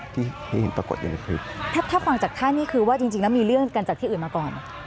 ถ้าฟังจากท่านี่คือว่าจริงแล้วมีเรื่องกันจากที่อื่นมาก่อน